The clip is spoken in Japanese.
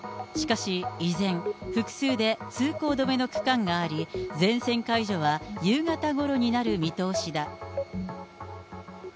しかし、依然、複数で通行止めの区間があり、全線解除は夕方ごろになる見通しだ。